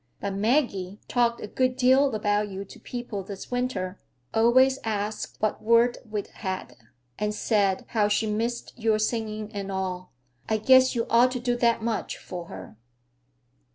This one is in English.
But Maggie talked a good deal about you to people this winter; always asked what word we'd had, and said how she missed your singing and all. I guess you ought to do that much for her."